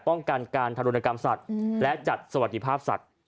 ป้องกันการทารุณกรรมสัตว์และจัดสวัสดิภาพสัตว์